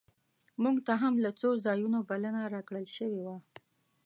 مونږ ته هم له څو ځایونو بلنه راکړل شوې وه.